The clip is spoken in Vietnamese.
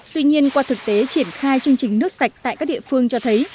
tuy nhiên qua thực tế triển khai chương trình nước sạch tại các địa phương cho thấy